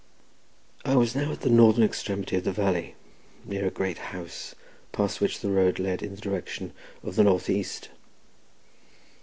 I was now at the northern extremity of the valley near a great house, past which the road led in the direction of the north east.